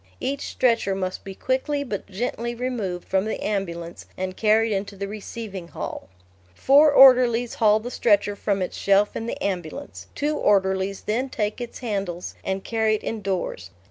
Each stretcher must be quickly but gently removed from the ambulance and carried into the receiving hall. Four orderlies haul the stretcher from its shelf in the ambulance; two orderlies then take its handles and carry it indoors.